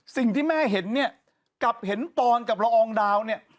สิ่งที่แม่เห็นเนี่ยกลับเห็นปอนกับละอองดาวเนี่ย